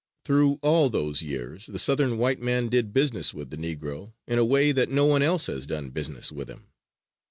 Through all those years the Southern white man did business with the Negro in a way that no one else has done business with him.